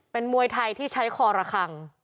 เป็นมวยไทยที่ใช้คอระคัง